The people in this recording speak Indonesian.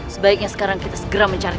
sebaiknya sekarang kita segera mencari